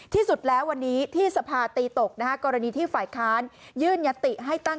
ที่สุดแล้ววันนี้ที่สภาตีตกนะฮะกรณีที่ฝ่ายค้านยื่นยติให้ตั้ง